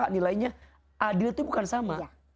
nilainya adil itu bukan sama